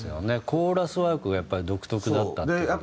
コーラスワークがやっぱり独特だったっていうのが。